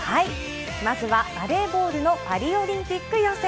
まずは、バレーボールのパリオリンピック予選。